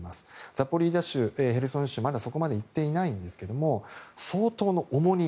ザポリージャ州、ヘルソン州はまだそこまでいっていないんですが相当の重み